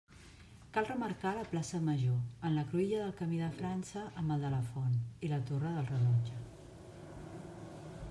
Cal remarcar la plaça Major, en la cruïlla del camí de França amb el de la Font i la torre del rellotge.